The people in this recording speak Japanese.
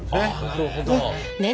なるほど。